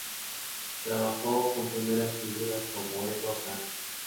Trabajó con primeras figuras como Eva Franco.